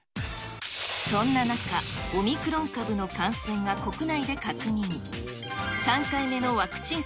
そんな中、オミクロン株の感染が国内で確認。